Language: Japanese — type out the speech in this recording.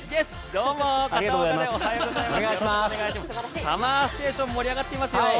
ＳＵＭＭＥＲＳＴＡＴＩＯＮ盛り上がっていますよ。